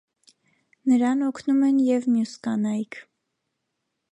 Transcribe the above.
Նրան օգնում են և մյուս կանայք։